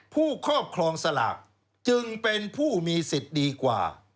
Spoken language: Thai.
ภูเข้าของสลากจึงเป็นผู้มีสิทธิดีกว่า